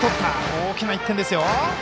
大きな１点ですよ。